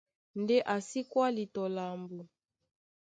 Ndé a sí kwáli tɔ lambo.